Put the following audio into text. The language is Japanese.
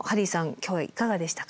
今日はいかがでしたか？